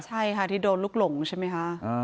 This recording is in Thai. ใช่ค่ะที่โดนลุกหลงใช่มั้ยค่ะ